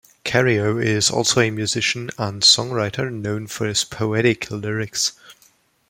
Karyo is also a musician and songwriter, known for his poetic lyrics.